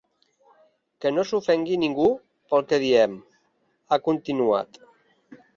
Que no s’ofengui ningú pel que diem, ha continuat.